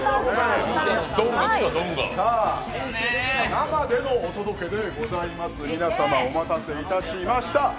生でのお届けでございます、皆様お待たせいたしました。